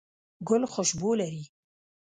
ګل خوشبو لري